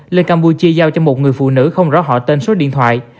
lên campuchia giao cho một người phụ nữ không rõ họ tên số điện thoại